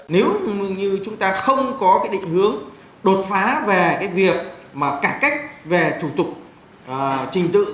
nếu như chúng ta không có định hướng đột phá về việc cải cách về thủ tục trình tự